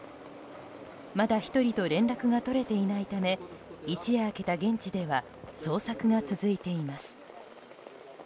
まだ１人と連絡が取れていないため一夜明けた現地では捜索が続いています。